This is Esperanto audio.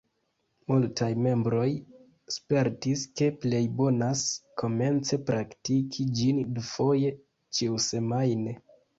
Multaj membroj spertis ke plej bonas komence praktiki ĝin dufoje ĉiusemajne.